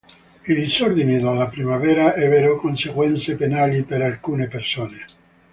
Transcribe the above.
I disordini della primavera ebbero conseguenze penali per alcune persone.